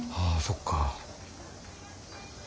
ああそっか。